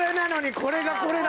これが、これ⁉」だ！